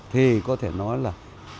thì có thể nói là